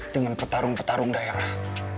dengan petarung petarung daerah